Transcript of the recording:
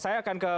saya akan ke